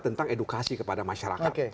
tentang edukasi kepada masyarakat